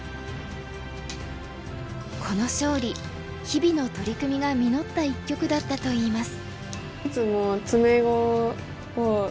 この勝利日々の取り組みが実った一局だったといいます。